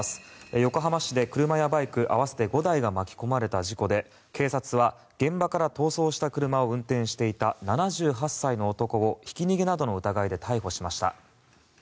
横浜市で車やバイク合わせて５台が巻き込まれた事故で警察は、現場から逃走した車を運転していた７８歳の男をひき逃げなどの疑いで逮捕しました。